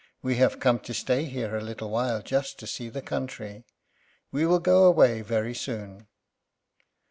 We have come to stay here a little while just to see the country. We will go away very soon.'"